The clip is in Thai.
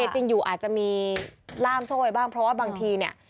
จริงอยู่อาจจะมีล่ามโซ่ไปบ้างเพราะว่าบางทีเนี่ย